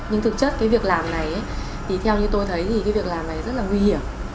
nhưng thực chất cái việc làm này thì theo như tôi thấy thì cái việc làm này rất là nguy hiểm